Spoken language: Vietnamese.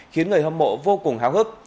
khiến người hâm mộ vô cùng háo hức